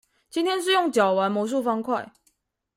今天是用腳玩魔術方塊